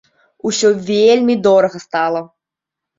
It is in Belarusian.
Усё вельмі дорага стала.